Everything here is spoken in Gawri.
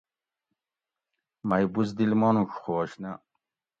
مئ بزدل مانوڄ خوش نہ